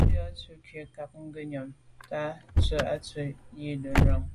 Tshù ju z’a na’ ngù kà ngùnyàm nke ndo’ ntshu i ntswe’ tsha’ yi là num lon.